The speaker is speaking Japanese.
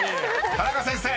［田中先生